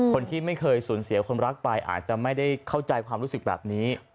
คนที่ไม่เคยสูญเสียคนรักไปอาจจะไม่ได้เข้าใจความรู้สึกแบบนี้